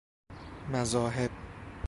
مذاهب